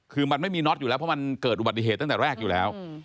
คือมันไม่มีน็อตอยู่แล้วเพราะมันเกิดอุบัติเหตุตั้งแต่แรกอยู่แล้ว